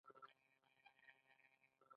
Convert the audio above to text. ګورو چې په دواړه ډوله ځمکو یو ډول مصارف شوي